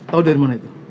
tau dari mana itu